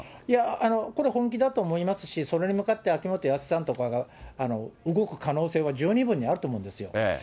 これ本気だと思いますし、それに向かって、秋元康さんとかが動く可能性は十二分にあると思うんですよ。